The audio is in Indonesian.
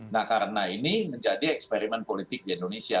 nah karena ini menjadi eksperimen politik di indonesia